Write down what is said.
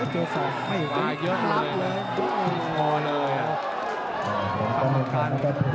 เยอะมากเลยนะ